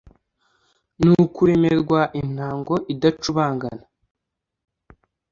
Ni ukuremerwa intango idacubangana